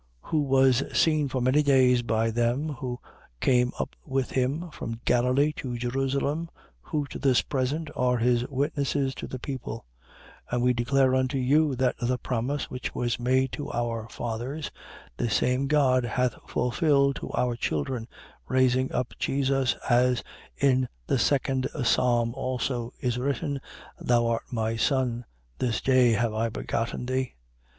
13:31. Who was seen for many days by them who came up with him from Galilee to Jerusalem, who to this present are his witnesses to the people. 13:32. And we declare unto you that the promise which was made to our fathers, 13:33. This same God hath fulfilled to our children, raising up Jesus, as in the second psalm also is written: Thou art my Son: this day have I begotten thee.